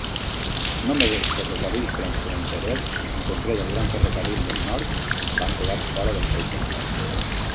Només els ferrocarrils transfronterers, en concret el Gran Ferrocarril del Nord, van quedar fora del seu control.